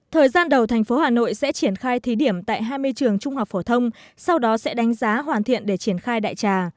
thời gian đầu thành phố hà nội sẽ triển khai thí điểm tại hai mươi trường trung học phổ thông sau đó sẽ đánh giá hoàn thiện để triển khai đại trà